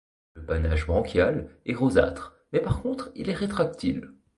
Le panache branchiale est rosâtre mais par contre il est rétractile.